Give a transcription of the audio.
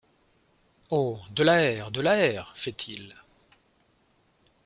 Oh ! de l’aër, de l’aër ! feit-il.